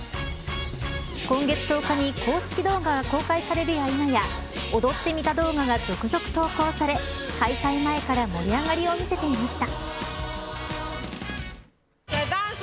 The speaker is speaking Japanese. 今月１０日に公式動画が公開されるや否や踊ってみた動画が続々と投稿され開催前から盛り上がりを見せていました。